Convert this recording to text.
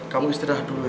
kamu istirahat dulu ya